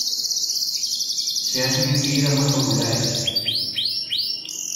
Se hacen enseguida muy populares.